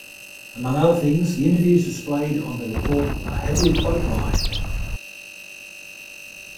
Among other things, the interviews displayed on the report are heavily quote-mined.